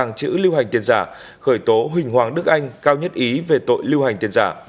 chữ lưu hành tiền giả khởi tố huỳnh hoàng đức anh cao nhất ý về tội lưu hành tiền giả